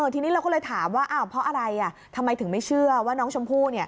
ทีนี้เราก็เลยถามว่าเพราะอะไรทำไมถึงไม่เชื่อว่าน้องชมพู่